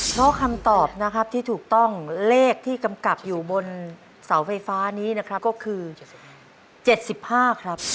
เพราะคำตอบนะครับที่ถูกต้องเลขที่กำกับอยู่บนเสาไฟฟ้านี้นะครับก็คือ๗๕ครับ